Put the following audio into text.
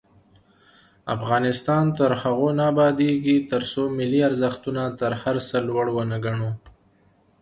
افغانستان تر هغو نه ابادیږي، ترڅو ملي ارزښتونه تر هر څه لوړ ونه ګڼو.